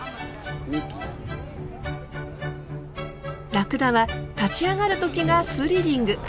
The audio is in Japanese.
ラクダは立ち上がる時がスリリング。